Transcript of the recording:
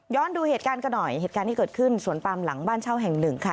ดูเหตุการณ์กันหน่อยเหตุการณ์ที่เกิดขึ้นสวนปามหลังบ้านเช่าแห่งหนึ่งค่ะ